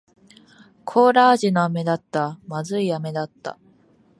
コーラ味の飴だった。不味い飴だった。